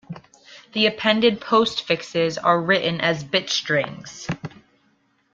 The appended postfixes are written as bit strings.